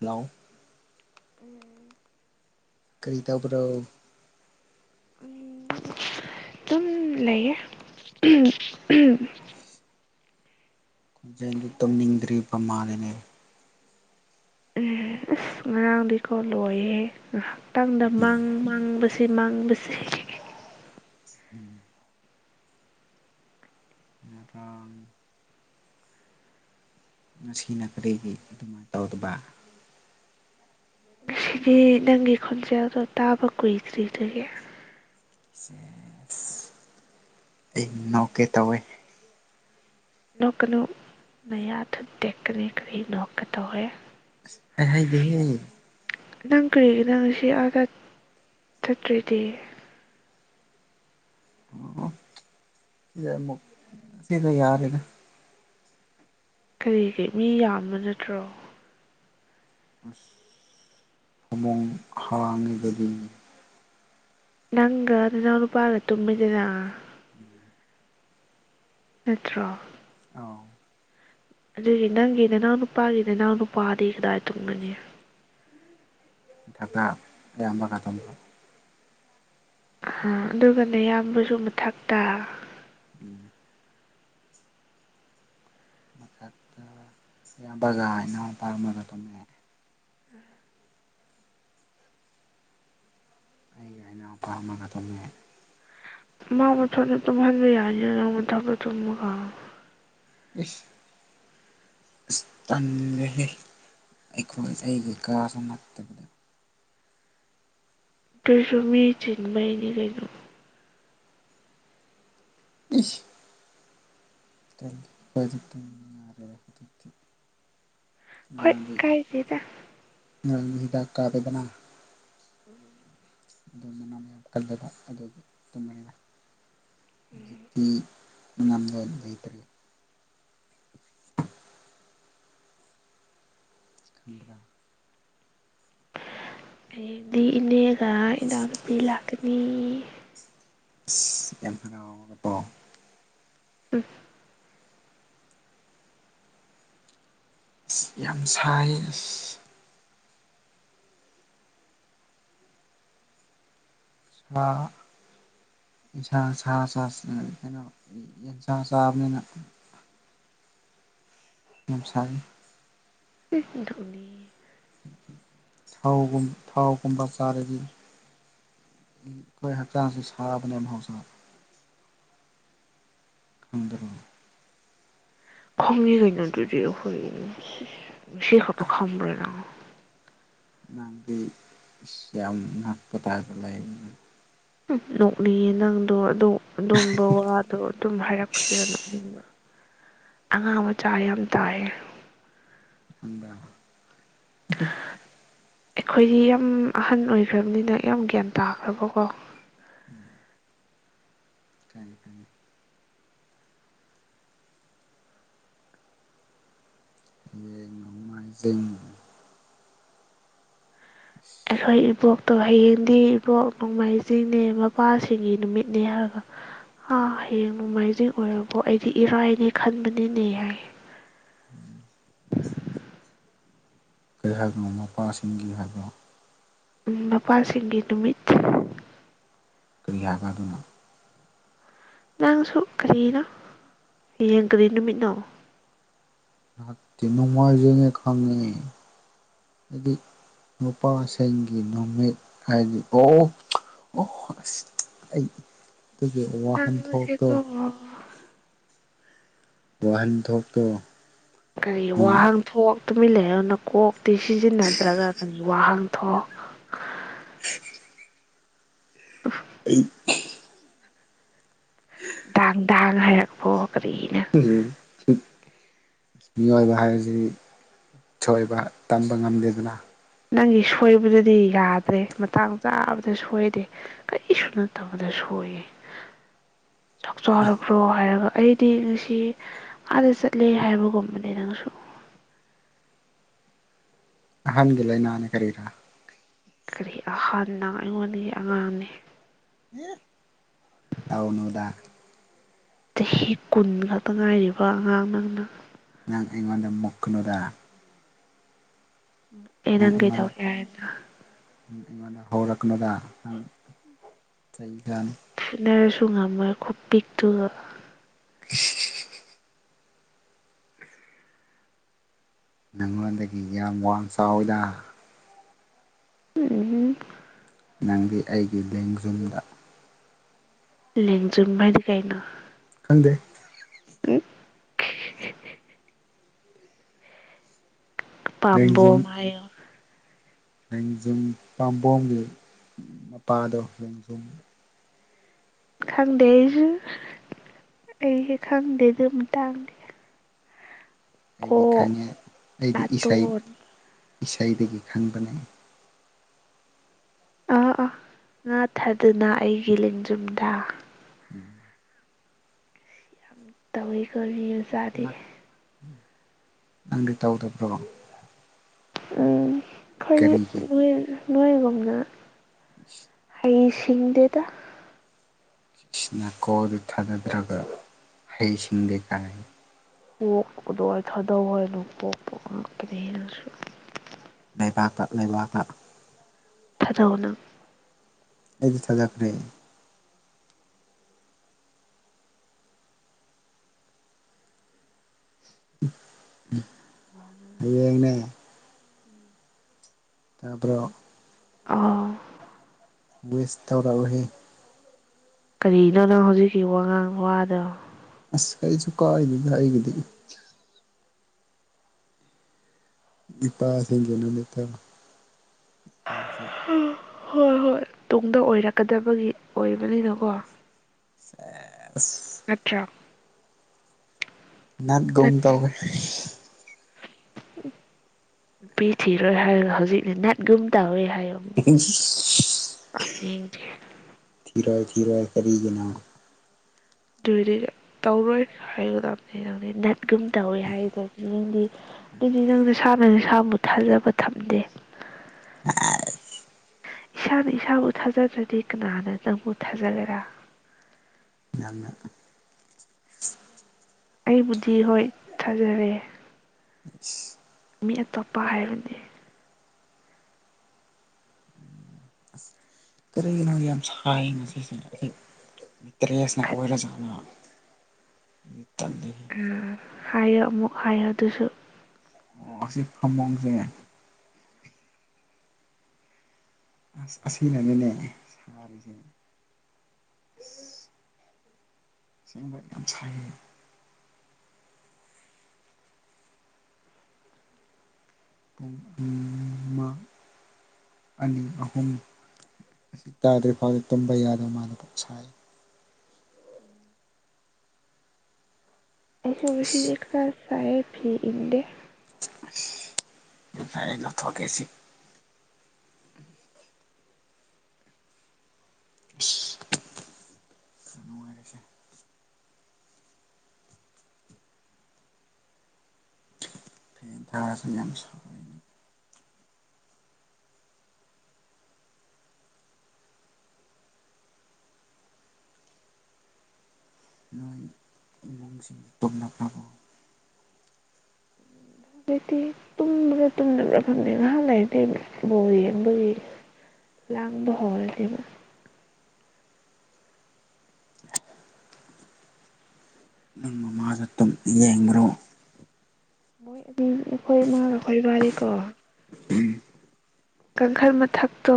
ꯂ ꯎꯝ ꯀꯔꯤ ꯇꯧꯕ꯭ꯔꯣ ꯎꯝ ꯑꯗꯨꯝ ꯂꯩꯌꯦ ꯈꯣꯟꯖꯦꯟꯗꯨ ꯇꯨꯝꯅꯤꯡꯗ꯭ꯔꯤ ꯕꯃꯥꯒꯤꯅꯦ ꯏꯁꯁ ꯉꯔꯥꯡꯗꯤꯀꯣ ꯂꯣꯏꯌꯦꯍꯦ ꯉꯥꯏꯍꯥꯛ ꯇꯥꯡꯗ ꯃꯥꯡ ꯃꯥꯡ ꯁ ꯁꯤ ꯃꯥꯡꯕꯁꯦ ꯎꯝ ꯃꯔꯝ ꯉꯁꯤꯅ ꯀꯔꯤꯒꯤ ꯑꯗꯨꯃꯥꯏꯅ ꯇꯧꯗꯕ ꯁꯤꯅꯤ ꯅꯪꯒꯤ ꯈꯣꯟꯖꯦꯜꯗꯣ ꯇꯥꯕ ꯀꯨꯏꯗ꯭ꯔꯤꯗꯒꯤ ꯑꯩ ꯅꯧꯀꯦ ꯇꯧꯋꯦ ꯂꯅ ꯃ ꯍꯥꯊ ꯗꯀꯅꯤ ꯀꯔꯤ ꯅꯣꯀ ꯇ ꯍꯦ ꯍꯥꯏ ꯍꯥꯏꯗꯤ ꯅꯪ ꯀꯔꯤꯒꯤꯦ ꯅꯪ ꯁꯤ ꯑꯥꯗ ꯆꯠꯇ꯭ꯔꯤꯗꯤ ꯑꯣ ꯁꯤꯗ ꯁꯤꯗ ꯌꯥꯔ ꯏꯅ ꯀꯔꯤ ꯀꯔꯤ ꯃꯤ ꯌꯥꯝꯕ ꯅꯠꯇ꯭ꯔꯣ ꯐꯃꯣꯡ ꯍꯥꯔꯥꯡꯒꯗ ꯅꯪ ꯑꯗꯨ ꯅꯅ ꯄꯥꯂ ꯇꯨꯝꯃꯤꯗꯅ ꯅꯠꯇ꯭ꯔꯣ ꯑꯥꯎ ꯑꯗꯨꯒꯤ ꯅꯪꯒꯤꯗ ꯅꯪꯎ ꯅꯨꯄꯥꯒꯤꯗ ꯅꯪꯎ ꯅꯨꯄꯥꯗꯤ ꯀꯗꯥꯏ ꯇꯨꯝꯒꯅꯤ ꯇꯥꯀꯥ ꯌꯥꯝꯀ ꯇ ꯑꯃꯣ ꯑ ꯑꯗꯨꯒꯅꯦ ꯌꯥꯝꯌꯥꯝꯕꯁꯨ ꯃꯊꯛꯇ ꯎꯝ ꯃꯈꯥ ꯒꯥꯟ ꯅ ꯄꯔꯃꯗꯗꯃꯃꯦ ꯑꯩꯒꯤ ꯑꯅꯥꯎꯄꯥ ꯑꯃꯒ ꯇꯝꯃꯦ ꯃ ꯃ ꯊꯅ ꯇꯃꯕꯤ ꯌꯥꯅꯤꯊꯒ ꯑ ꯇꯟꯦ ꯑꯩꯈꯣꯏ ꯑꯩꯒꯤꯀꯥꯁꯨ ꯅꯠꯇꯕꯗ ꯀꯩꯁꯨ ꯃꯤ ꯆꯤꯟꯕꯩꯅꯤ ꯀꯩꯅꯣ [inaudible] ꯍꯣꯏ ꯀꯥꯏꯗꯗ ꯗꯥꯛ ꯀꯥꯗꯗꯅ ꯎꯝ ꯑꯗꯨ ꯃꯅꯥ ꯃꯌꯥꯝ ꯀꯟꯂꯕ ꯑꯗꯨ ꯇꯨꯝꯃꯅ ꯑꯗꯨ ꯐ ꯂꯩꯩꯇꯦ ꯈꯟ꯭ꯔ ꯑꯦꯗꯤ ꯏꯅꯦꯒ ꯏꯅꯥꯎꯅꯨꯄꯤ ꯂꯥꯛꯀꯅꯤ ꯑꯁ ꯌꯥꯝꯅ ꯄꯣ ꯎꯝ ꯑꯁ ꯌꯥꯝ ꯁꯥꯏ ꯑꯁ ꯁꯥ ꯌꯦꯟꯁꯥꯡ ꯁꯥ ꯀꯩꯅꯣ ꯑꯦꯟꯁꯥꯡ ꯆꯥꯕꯅꯤꯅ ꯃꯦꯝꯁꯔꯦ ꯙꯅꯤ ꯊꯥꯎꯒ ꯊꯥꯎꯒꯨꯝꯕ ꯆꯥꯔꯗꯤ ꯑꯩꯈꯣꯏ ꯍꯛꯆꯥꯡꯁꯤ ꯁꯥꯕꯅꯦ ꯃꯍꯧꯁꯥ ꯈꯪꯗꯔꯣ ꯈꯣꯡꯒꯤ ꯀꯩꯅꯣ ꯑꯗꯨꯗꯤ ꯑꯩꯈꯣꯏ ꯁꯤꯍꯄ ꯈ꯭ꯔꯅ ꯅꯁꯝꯄꯗ ꯍꯥꯏꯕꯂ ꯎ ꯅꯣꯛꯅꯤꯡꯌꯦ ꯅꯪꯗꯣ ꯑꯗꯣ ꯑꯗꯨꯒꯝꯕ ꯋꯥꯗꯣ ꯑꯗꯨꯝ ꯍꯥꯏꯔꯛꯄꯁꯤꯗ ꯑꯗꯨꯝꯅ ꯑꯉꯥꯡ ꯃꯆꯥ ꯌꯥꯝ ꯇꯥꯏ ꯍꯗ ꯑꯩꯈꯣꯏꯗꯤ ꯌꯥꯝ ꯑꯍꯟ ꯑꯣꯏꯈ꯭ꯔꯕꯅꯤꯅ ꯌꯥꯝ ꯒ꯭ꯌꯥꯟ ꯇꯥꯈ꯭ꯔꯕꯀꯣ ꯀꯔꯤ ꯀꯔꯤ ꯖꯤꯝ ꯑꯩꯈꯣꯏ ꯏꯕꯣꯛꯇꯣ ꯍꯌꯦꯡꯗꯤ ꯏꯕꯣꯛ ꯅꯣꯡꯃꯥꯏꯖꯤꯡꯅꯦ ꯃꯄꯥꯜꯁꯤꯡꯒꯤ ꯅꯨꯃꯤꯠꯅꯦ ꯍꯥꯏꯔꯒ ꯍꯥ ꯍꯌꯦꯡ ꯅꯣꯡꯃꯥꯏꯖꯤꯡ ꯑꯣꯏꯔꯕꯣ ꯑꯩꯗꯤ ꯏꯔꯥꯏꯅꯦ ꯈꯟꯕꯅꯤꯅꯦ ꯍꯥꯏ ꯀꯔꯤ ꯍꯥꯏꯕꯅꯣ ꯃꯄꯥꯁꯤꯡꯒꯤ ꯍꯥꯏꯕ꯭ꯔꯣ ꯃꯄꯥꯜꯁꯤꯡꯒꯤ ꯅꯨꯃꯤꯠ ꯀꯔꯤ ꯍꯥꯏꯕ ꯑꯗꯨꯅ ꯅꯪꯁꯨ ꯀꯔꯤꯅꯣ ꯍꯌꯦꯡ ꯀꯔꯤ ꯅꯨꯃꯤꯠꯅꯣ ꯉꯍꯥꯛ ꯇꯤ ꯅꯣꯡꯃꯥꯏꯖꯤꯡꯅꯦ ꯈꯪꯉꯦ ꯍꯥꯏꯗꯤ ꯅꯨꯄꯥꯁꯤꯡꯒꯤ ꯅꯨꯃꯤꯠ ꯍꯥꯏꯗꯤ ꯑꯣ ꯑꯣ ꯑꯣ ꯑꯁ ꯑꯩ ꯑꯗꯨꯒꯤ ꯋꯥꯍꯟꯊꯣꯛꯇꯣ ꯅꯪꯁꯦꯀꯣ ꯋꯥꯍꯟꯊꯣꯛꯇꯣ ꯀꯔꯤ ꯋꯥꯍꯟꯊꯣꯛ ꯇꯨꯃꯤꯟ ꯂꯩꯌꯣ ꯅꯀꯣꯛꯇꯤ ꯁꯤꯖꯤꯟꯅꯗ꯭ꯔꯒ ꯀꯔꯤ ꯋꯥꯍꯟꯊꯣꯛ ꯑꯩ ꯑꯍꯍ ꯗꯥꯥꯡ ꯗꯥꯥꯡ ꯍꯥꯏꯔꯛꯄꯣ ꯀꯔꯤꯅꯣ ꯎꯝ ꯍꯍ ꯃꯤꯑꯣꯏꯕ ꯍꯥꯏꯕꯁꯤꯗꯤ ꯁꯣꯏꯕ ꯇꯝꯕ ꯉꯝꯗꯦꯗꯅ ꯅꯪꯒꯤ ꯁꯣꯏꯕꯗꯨꯗꯤ ꯌꯥꯗ꯭ꯔꯦ ꯃꯇꯥꯡ ꯆꯥꯕꯗ ꯁꯣꯏꯗꯦ ꯀꯔꯤꯁꯨ ꯅꯠꯇꯕꯗ ꯁꯣꯏꯌꯦ ꯆꯥꯛ ꯆꯥꯔꯕ꯭ꯔꯣ ꯍꯥꯏꯔꯒ ꯑꯩꯗꯤ ꯉꯁꯤ ꯑꯥꯗ ꯆꯠꯂꯦ ꯍꯥꯏꯕꯒꯨꯝꯕꯅꯦ ꯅꯪꯁꯨ ꯑꯍꯟꯒꯤ ꯂꯩꯅꯥꯅꯦ ꯀꯔꯤꯔꯥ ꯀꯔꯤ ꯑꯍꯥꯟꯅ ꯑꯩꯉꯣꯟꯗꯒꯤ ꯑꯉꯥꯡꯅꯦ ꯇꯧꯅꯨꯗꯥ ꯆꯍꯤ ꯀꯨꯟ ꯈꯛꯇ ꯉꯥꯏꯔꯤꯕ ꯑꯉꯥꯡ ꯅꯪꯅ ꯅꯪ ꯑꯩꯉꯣꯟꯗ ꯃꯨꯛꯀꯅꯨꯗꯥ ꯃꯨꯛꯑꯦ ꯅꯪ ꯑꯩꯉꯣꯟꯗ ꯀꯩꯗꯧꯒꯦ ꯍꯥꯏꯅꯣ ꯅꯪ ꯑꯩꯉꯣꯟꯗ ꯍꯧꯔꯛꯀꯅꯨꯗ ꯅꯪ ꯆꯩ ꯆꯥꯅꯤ ꯐꯨꯅꯔꯁꯨ ꯉꯝꯃꯣꯏ ꯈꯨꯄꯤꯛꯇꯨꯒ ꯁꯤ ꯍꯤ ꯍꯤ ꯍꯤ ꯅꯉꯣꯟꯗꯒꯤ ꯌꯥꯝ ꯋꯥꯡ ꯆꯥꯎꯋꯤꯗ ꯎꯝ ꯍꯨꯝ ꯅꯪꯗꯤ ꯑꯩꯒꯤ ꯂꯦꯡꯖꯨꯝꯗ ꯂꯦꯡꯖꯨꯝ ꯍꯥꯏꯗꯤ ꯀꯩꯅꯣ ꯈꯪꯗꯦ ꯎꯝ ꯈꯤ ꯍꯤ ꯍꯤ ꯍꯤ ꯂꯦꯡꯖꯨꯝ ꯄꯥꯝꯕꯣꯝ ꯍꯥꯏꯌꯣ ꯂꯦꯡꯖꯨꯝ ꯄꯥꯝꯕꯣꯝꯒꯤ ꯃꯄꯥꯗꯣ ꯂꯦꯡꯖꯨꯝ ꯈꯪꯗꯦ ꯑꯩꯁꯨ ꯍ ꯍ ꯑꯩꯗꯤ ꯈꯪꯗꯦ ꯑꯗꯨꯝ ꯇꯥꯡꯗꯦ ꯑꯩꯗꯤ ꯈꯪꯉꯦ ꯑꯩꯗꯤ ꯏꯁꯩ ꯅꯥꯇꯣꯟ ꯏꯁꯩꯗꯒꯤ ꯈꯪꯕꯅꯦ ꯑꯥ ꯑꯥ ꯉꯥꯊꯥꯗꯨꯅ ꯑꯩꯒꯤ ꯂꯦꯡꯖꯨꯝꯗ ꯎꯝ ꯌꯥꯝ ꯇꯧꯋꯤꯀꯣ ꯔꯤꯜ ꯆꯥꯗꯤ ꯅꯪꯗꯤ ꯇꯧꯗꯕ꯭ꯔꯣ꯫ ꯎꯝ ꯈꯔꯗꯤ ꯀꯔꯤꯒꯤ ꯅꫭꯏꯔꯅꯤ꯫ ꯅꯣꯏꯒꯨꯝꯅ [unintelligible] ꯍꯩꯁꯤꯡꯗꯦꯗ ꯅꯥꯀꯣꯛꯗꯨ ꯊꯥꯗꯗ꯭ꯔꯒ ꯍꯩꯁꯤꯡꯗꯦ ꯀꯥꯏꯅ꯫ ꯀꯣꯛꯀꯗꯣ ꯊꯥꯗꯧ ꯍꯥꯏꯅꫭ ꯀꯣꯛꯄꯨ ꯑꯉꯛꯄꯅꯦꯍꯦ ꯅꯪꯁꯨ꯫ ꯂꯩꯕꯥꯛꯇ-ꯂꯩꯕꯥꯛꯇ꯫ ꯊꯗꯧ ꯅꯪ꯫ ꯑꯩꯗꯤ ꯊꯥꯗꯈ꯭ꯔꯦ꯫ ꯎꯝ ꯍꯌꯦꯡꯅꯦ [inaudible] ꯇꯥꯕ꯭ꯔꫭ꯫ ꯑꯥ ꯋꯦꯁ ꯇꯧꯔꯛꯎꯍꯦ꯫ ꯀꯔꯤꯅꯣ ꯅꯪ ꯍꯧꯖꯤꯛꯀꯤ ꯋꯥꯉꯥꯡ ꯋꯥꯗꯣ꯫ ꯑꯁ ꯀꯔꯤꯁꯨꯨ ꯀꯥꯏꯗꯦꯗ ꯑꯩꯒꯤꯗꯤ꯫ ꯃꯤꯄꯥꯁꯤꯡꯒꯤ ꯅꯃꯤꯠꯇꫭ [inaudible] [unintelligible] ꯍꯣꯏ-ꯍꯣꯏ ꯇꯨꯡꯗ ꯑꯣꯏꯔꯛꯀꯗꯕꯒꯤ ꯑꯣꯏꯕꯅꯤꯅꯀꯣ꯫ ꯁꯦꯁ ꯅꯠꯇ꯭ꯔ꯫ ꯅꯥꯠꯒꯨꯝ ꯇꯧꯋꯦ ꯅꯨꯄꯤ ꯊꯤꯔꯣꯏ ꯍꯥꯏꯔꯒ ꯍꯧꯖꯤꯛꯅ ꯅꯠꯒꯨꯝ ꯇꯧꯋꯦ ꯍꯥꯏ꯫ ꯊꯤꯔꫭꯏ ꯇꯥꯅꯤꯡꯗꯦ ꯊꯤ ꯊꯤꯔꯣꯏ ꯀꯔꯤꯒꯤꯅꫭ꯫ ꯑꯗꯨꯏꯗꯤ ꯇꯧꯔꯣꯏ ꯍꯥꯏꯒꯗꯕꯅꯤ ꯅꯪꯗꯤ ꯅꯠ ꯒꯨꯨꯝ ꯇꯧꯋꯦ ꯍꯥꯏꯗ ꯅꯤꯡꯗꯤ ꯑꯗꯨꯗꯤ ꯅꯪꯅ ꯅꯁꯥꯥꯅ ꯅꯁꯥꯕꯨ ꯊꯥꯖꯕ ꯊꯝꯗꯦ꯫ [unintelligible] ꯏꯁꯥꯅ ꯏꯁꯥꯕꯨ ꯊꯥꯖꯗ꯭ꯔꯗꯤ ꯀꯅꯥꯅ ꯅꯪꯕꯨ ꯊꯥꯖꯒꯦꯔꯥ꯫ ꯅꯪꯅ꯫ ꯑꯩꯕꯨꯗꯤ ꯍꯣꯏ ꯊꯥꯖꯔꯦ ꯃꯤ ꯑꯇꯣꯞꯄ ꯍꯥꯏꯕꯅꯤ꯫ ꯀꯔꯤꯒꯤꯅꯣ ꯌꯥꯝ ꯁꯥꯏ ꯉꯁꯤꯁꯦ ꯑꯩ ꯇ꯭ꯔꯦꯁꯅ ꯑꯣꯏꯔꯖꯥꯠꯂꯥ꯫ ꯇꯜꯂꯤ ꯍꯦ꯫ ꯍꯥꯏꯌꯦ ꯑꯃꯨꯛ ꯍꯥꯏꯌꯦ ꯑꯗꯨꯁꯨ꯫ ꯑꯣ ꯑꯁꯤ ꯐꯃꯨꯡꯁꯦ ꯑꯁ ꯑꯁꯤꯅꯅꯤꯅꯦ ꯁꯥꯔꯤꯁꯦ꯫ ꯑꯁꯦꯡꯕ ꯌꯥꯝ ꯁꯥꯏꯌꯦ꯫ ꯎꯝ ꯑꯅꯤ ꯑꯍꯨꯝ ꯑꯁꯤ ꯇꯥꯗ꯭ꯔꯤ ꯐꯥꯎꯗ ꯇꯨꯝꯕ ꯌꯥꯗꯕ ꯃꯥꯗ ꯁꯥꯏ ꯑꯩꯁꯨ ꯉꯥꯁꯤꯗꯤ ꯈꯔꯥ ꯁꯥꯏꯦ ꯐꯤ ꯏꯟꯂꯦ ꯐꯥꯏꯅꯊꯒꯦꯁꯤ ꯈꯔ ꯅꯨꯡꯉꯥꯏꯔꯁꯦ [unintelligible] ꯅꯣꯏ ꯏꯃꯨꯡꯁꯤꯡ ꯇꯣꯃꯅꯥꯈꯔꯥꯕꯨ ꯗꯤ ꯇꯨꯝꯕ꯭ꯔꯥ ꯇꯨꯝꯗꯕ꯭ꯔꯥ ꯈꯡꯗꯦ ꯅꯍꯥꯟ ꯉꯥꯏꯍꯥꯛ ꯕꯣꯂ ꯌꯦꯡꯕꯒꯤ ꯂꯥꯡꯕ ꯍꯧꯔꯅꯦꯕ ꯑꯗꯨꯨꯝ ꯌꯦꯡꯉ꯭ꯔꯣ ꯃꯣꯏ ꯑꯗꯨ ꯑꯩꯈꯣꯏ ꯏꯃꯥꯒ ꯑꯩꯈꯣꯏ ꯋꯥꯔꯤꯔꯤꯀꯣ ꯀꯥꯡꯈꯜ ꯃꯊꯛꯇꯣ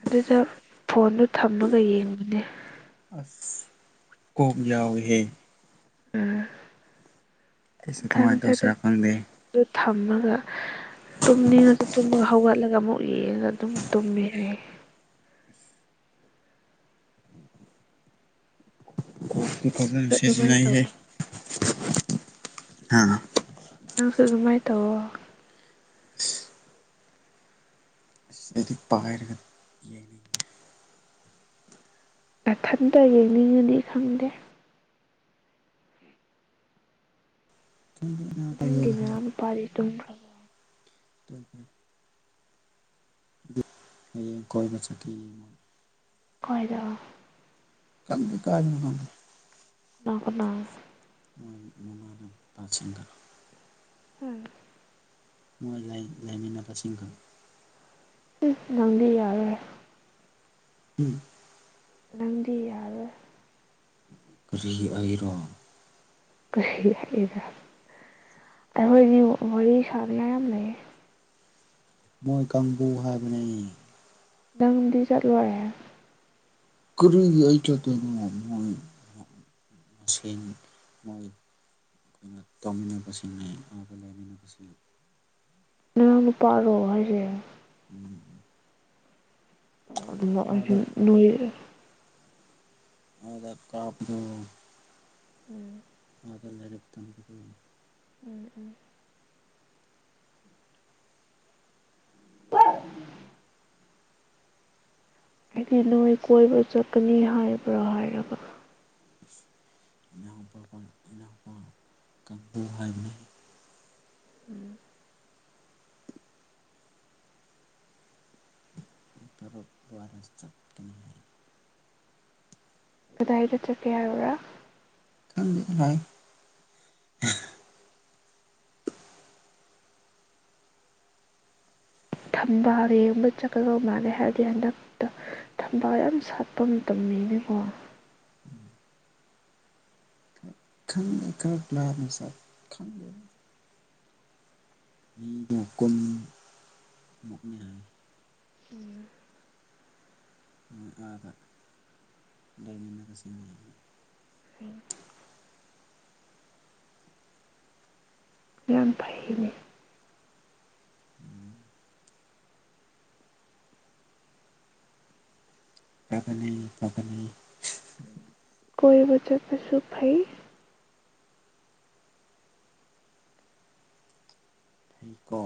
ꯑꯗꯨꯗ ꯐꯣꯟꯗꯨ ꯊꯝꯃꯒ ꯌꯦꯡꯕꯅꯦ ꯀꯑꯣꯛ ꯌꯥꯎꯍꯦ ꯎꯝ ꯑꯩꯁꯨ ꯀꯥꯡꯈꯟ ꯑꯗꯨꯃꯥꯏꯅ ꯃꯊꯛꯇꯥ ꯇꯧꯁꯤꯔꯥ ꯈꯪꯗꯦ ꯑꯗꯨ ꯊꯝꯃꯒ ꯇꯨꯝꯅꯤꯡꯉꯁꯨ ꯇꯨꯝꯃꯒ ꯍꯧꯒꯠꯂꯒ ꯑꯃꯨꯛ ꯌꯦꯡꯉ ꯑꯗꯨꯝ ꯇꯨꯝꯃꯦ ꯍꯥꯏ ꯀꯣꯛꯇꯤ ꯄꯖꯅꯥ ꯑꯗꯨꯃꯥꯏꯅ ꯁꯤꯖꯤꯟꯅ ꯍꯦ ꯇꯧꯋꯣ ꯑꯥ ꯅꯁꯨ ꯑꯗꯨꯃꯥꯏ ꯇꯧ ꯑꯣ ꯗꯤ ꯄꯔꯒ ꯌꯦꯅꯤꯡꯦ ꯅꯊꯟꯇꯥ ꯍꯦꯡ ꯌꯦꯡꯅꯤ ꯉꯥꯗꯤ ꯈꯡꯗꯦ [unintelligible] ꯑꯦ ꯅꯦꯌꯟ ꯅꯨꯄꯥꯗꯤ ꯇꯨꯝꯀꯔ꯭ꯕꯣ [unintelligible] ꯈꯣꯏꯗꯣ ꯀꯝꯒꯤ ꯀꯥꯏꯗꯅꯣ ꯒꯥ ꯂꯅ ꯈꯨꯅꯥ ꯃꯣꯏ ꯃꯃꯥꯅ ꯄꯥꯁꯤꯟꯒꯥꯅꯥ ꯎꯝ ꯃꯣꯏ ꯂ ꯂꯩꯃꯤꯟꯅꯕꯁꯤꯡꯁꯤꯡꯒ ꯅꯡꯗꯤ ꯌꯥꯔꯣꯏ ꯎꯝ ꯅꯡꯗꯤ ꯌꯥꯔꯣꯏ ꯀꯔꯤ ꯍꯥꯏꯔꯣ ꯀꯨꯁꯤ ꯍꯥꯏꯗ ꯑꯩꯈꯣꯏꯗꯤ ꯋꯥꯔꯤ ꯁꯥꯕꯅ ꯌꯥꯝ ꯂꯩꯌꯦ ꯃꯣꯏ ꯀꯥꯡꯕꯨ ꯍꯥꯏꯕꯅꯤ ꯗꯥꯡꯗꯤ ꯆꯠꯂꯣꯏꯔꯦ ꯀꯨꯔꯨꯒꯤ ꯑꯣꯏ ꯆꯣꯏ ꯃꯣꯏ ꯃꯁꯦꯟ ꯃꯣꯏ ꯑꯩꯈꯣꯏꯅ ꯇꯧꯃꯤꯟꯅꯕꯁꯤꯡꯅꯤ ꯑꯗꯨꯒ ꯂꯩꯃꯤꯟꯅꯕꯁꯤꯡ ꯅꯅ ꯄꯥꯔꯣ ꯍꯥꯏꯁꯦ ꯎꯝ ꯑꯗꯨꯅꯥ ꯑꯩꯁꯨ ꯑꯥꯗ ꯅꯣꯏ ꯑꯗꯗ ꯀꯥꯞꯗꯨ ꯎꯝ ꯑꯗꯥ ꯂꯩꯥꯏꯔꯞ ꯇꯟꯕꯗꯨ ꯎꯝ ꯎꯝ ꯑ [unintelligible] ꯑꯩꯗꯤ ꯅꯣꯏ ꯀꯣꯏꯕ ꯆꯠꯀꯅꯤ ꯍꯥꯏꯕ꯭ꯔꯥ ꯍꯥꯏꯔꯒꯥ ꯏꯅꯥꯎꯄ ꯏꯅꯥꯎꯄꯥ ꯀꯥꯡꯕꯨ ꯍꯥꯏꯕꯅꯤ ꯎꯇꯔ ꯔꯋꯥꯔꯁꯇ ꯀ ꯑꯗꯨꯗꯥꯥꯏ ꯇ ꯆ ꯀꯦꯌꯥꯔꯨꯔ ꯂ ꯊꯝꯕꯥꯜ ꯌꯦꯡꯕ ꯆꯠꯀꯗꯧ ꯃꯥꯜꯂꯦ ꯍꯥꯏꯔꯗꯤ ꯍꯟꯗꯛꯇ ꯊꯝꯕꯥꯜ ꯌꯥꯝ ꯁꯥꯠꯄ ꯃꯇꯝꯅꯤꯅꯤꯀꯣ ꯈꯪꯗꯦ ꯈꯂ ꯁꯥ ꯈꯪꯗꯦ ꯃꯤ ꯅ ꯀꯨꯝ ꯃꯅꯦ ꯍꯥꯏ ꯑꯗ ꯂꯩꯏꯃꯅꯦ ꯇ ꯁꯤ ꯌꯥꯝ ꯐꯩꯅꯦ ꯀꯅꯤ ꯐꯅꯤ ꯀ ꯆꯁꯨ ꯐꯥꯏ ꯑꯩꯀꯣ